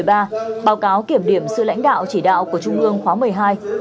báo cáo kiểm điểm sự lãnh đạo chỉ đạo của trung ương khóa một mươi hai